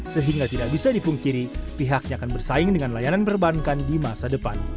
sehingga tidak bisa dipungkiri pihaknya akan bersaing dengan layanan perbankan di masa depan